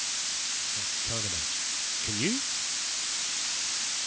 "I can't imagine; can you?"